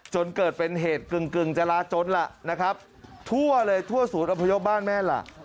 จนเกิดเป็นเหตุกึ่งจราจนล่ะนะครับทั่วเลยทั่วศูนย์อพยพบ้านแม่ล่ะ